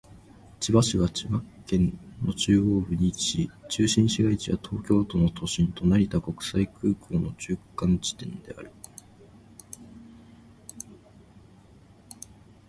千葉市は千葉県の中央部に位置し、中心市街地は東京都の都心と成田国際空港の中間地点である。